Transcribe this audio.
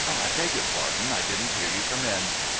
I beg your pardon. I didn't hear you come in.'